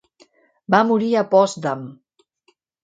Va morir a Potsdam.